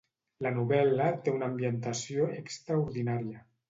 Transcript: La novel·la té una ambientació extraordinària.